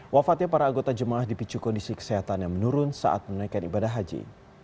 wafatnya para anggota jemaah dipicu kondisi kesehatan yang menurun saat menaikkan ibadah haji